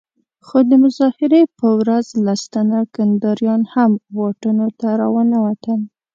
خو د مظاهرې په ورځ لس تنه کنداريان هم واټونو ته راونه وتل.